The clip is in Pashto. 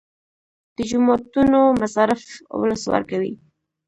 د جوماتونو مصارف ولس ورکوي